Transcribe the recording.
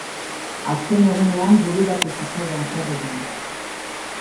Azken egunean bururatu zitzaidan zer egin.